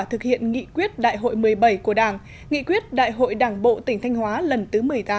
thực hiện nghị quyết đại hội một mươi bảy của đảng nghị quyết đại hội đảng bộ tỉnh thanh hóa lần thứ một mươi tám